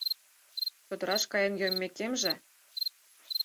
Чодыраш каен йоммекемже